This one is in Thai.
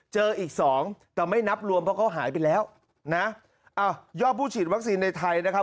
เจออีกสองแต่ไม่นับรวมเพราะเขาหายไปแล้วนะอ้าวยอดผู้ฉีดวัคซีนในไทยนะครับ